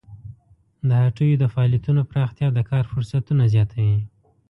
د هټیو د فعالیتونو پراختیا د کار فرصتونه زیاتوي.